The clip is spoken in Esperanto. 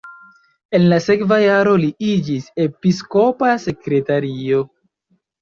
En la sekva jaro li iĝis episkopa sekretario.